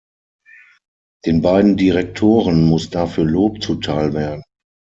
Den beiden Direktoren muss dafür Lob zuteil werden.